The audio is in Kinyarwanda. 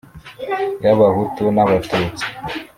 Y abahutu n abatutsi